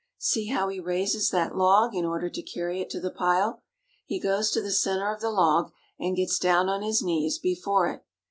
See how he raises that log in order to carry it to the pile ! He goes to the center of the log and gets down on his knees before it.